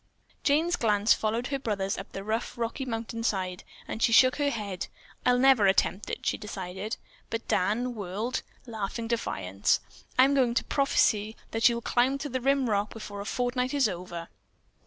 Jane's glance followed her brother's up the rough, rocky mountain side and she shook her head. "I'll never attempt it," she decided, but Dan whirled, laughing defiance. "I'm going to prophesy that you'll climb the rim rock before a fortnight is over."